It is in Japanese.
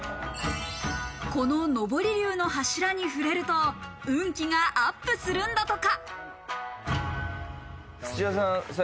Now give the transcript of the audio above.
この昇龍の柱に触れると運気がアップするんだとか。